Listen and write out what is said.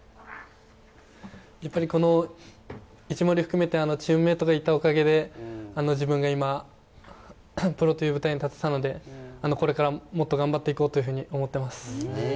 やっぱりこの一森含めてチームメートがいたおかげで自分が今、プロという舞台に立てたのでこれからもっと頑張っていこうというふうに思います。